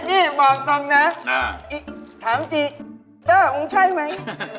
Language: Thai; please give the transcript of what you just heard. นี่บอกตรงนะถามจี๊ต้องใช่ไหม